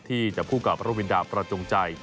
ที่จับผู้กราบรวินดาประจงใจ